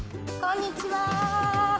こんにちはー。